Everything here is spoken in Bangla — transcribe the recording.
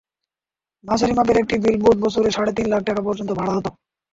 মাঝারি মাপের একটি বিলবোর্ড বছরে সাড়ে তিন লাখ টাকায় পর্যন্ত ভাড়া হতো।